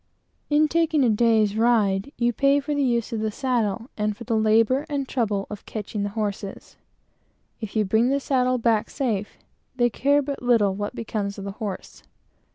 In taking a day's ride, you pay for the use of the saddle, and for the labor and trouble of catching the horses. If you bring the saddle back safe, they care but little what becomes of the horse.